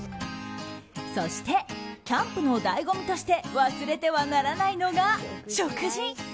そして、キャンプの醍醐味として忘れてはならないのが、食事。